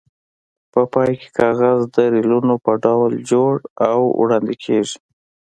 په پای کې کاغذ د ریلونو په ډول جوړ او وړاندې کېږي.